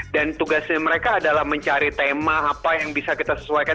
dan tugasnya mereka adalah mencari tema apa yang bisa kita sesuaikan